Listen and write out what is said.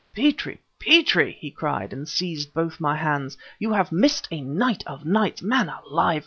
"Petrie! Petrie!" he cried, and seized both my hands "you have missed a night of nights! Man alive!